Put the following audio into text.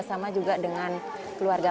hidup itu juga kondisi yang menjadi penyegaran